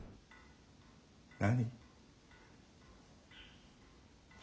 何？